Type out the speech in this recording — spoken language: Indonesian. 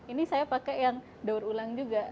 ini saya pakai yang daur ulang juga